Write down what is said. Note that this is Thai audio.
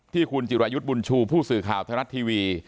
ที่คุณจิรายุทธ์บุญชูผู้สื่อข่าวไทยรัฐทีวี